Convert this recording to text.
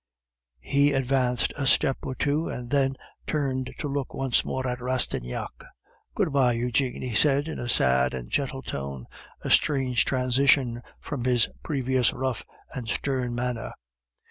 He advanced a step or two, and then turned to look once more at Rastignac. "Good bye, Eugene," he said, in a sad and gentle tone, a strange transition from his previous rough and stern manner.